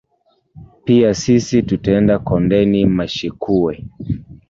Pia sisi tutaenda kondeni mashekuwe